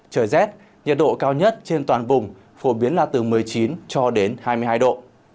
trời rét nhiệt độ cao nhất trên toàn vùng phổ biến là từ một mươi chín cho đến hai mươi hai độ